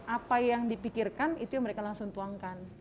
apa yang dipikirkan itu yang mereka langsung tuangkan